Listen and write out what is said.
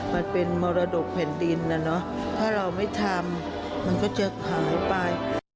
มันเป็นมรดกแผ่นดินนะเนอะถ้าเราไม่ทำมันก็จะหายไป